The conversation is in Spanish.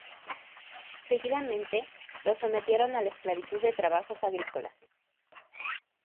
Seguidamente los sometieron a la esclavitud de trabajos agrícolas.